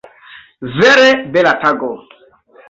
Vere bela tago!